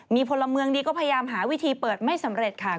มีพลเมืองดีก็พยายามหาวิธีเปิดไม่สำเร็จค่ะ